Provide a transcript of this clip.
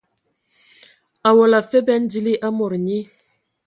Awɔla afe bɛn dili a mod nyi.